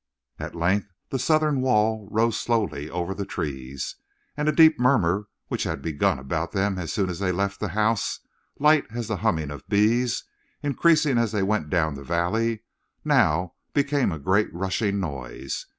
At length the southern wall rose slowly over the trees, and a deep murmur which had begun about them as soon as they left the house, light as the humming of bees, increasing as they went down the valley, now became a great rushing noise.